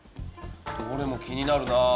どれも気になるな。